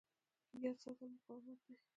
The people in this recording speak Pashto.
یاد ساتل مقاومت دی.